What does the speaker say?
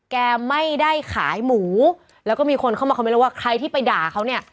แกไม่ได้ขายหมูแล้วก็มีคนเข้ามาคอมเมนต์แล้วว่าใครที่ไปด่าเขาเนี่ย